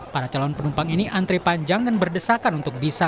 para calon penumpang ini antre panjang dan berdesakan untuk bisa